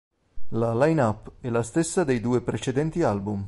La line-up è la stessa dei due precedenti album.